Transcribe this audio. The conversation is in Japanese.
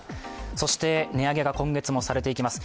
そして値上げが今月もされていきます。